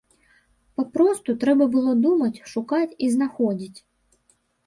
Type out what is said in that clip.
Папросту трэба было думаць, шукаць і знаходзіць!